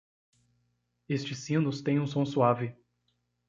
Estes sinos têm um som suave.